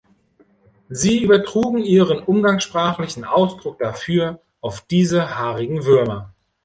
Sie übertrugen ihren umgangssprachlichen Ausdruck dafür auf diese haarigen Würmer.